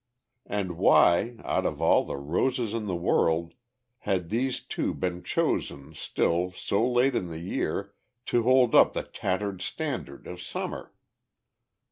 And, why, out of all the roses of the world, had these two been chosen, still, so late in the year, to hold up the tattered standard of Summer?